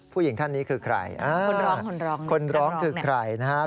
ผู้หญิงท่านนี้คือใครคนร้องคือใครนะครับอ้า